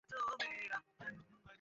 দয়া করে আমাকে ছেড়ে দাও।